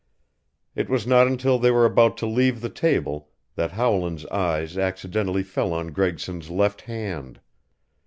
It was not until they were about to leave the table that Howland's eyes accidentally fell on Gregson's left hand.